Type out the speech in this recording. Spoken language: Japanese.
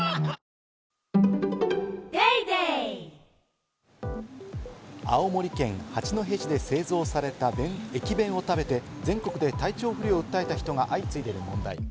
保健所は弁当が青森県八戸市で製造された駅弁を食べて、全国で体調不良を訴えた人が相次いでいる問題。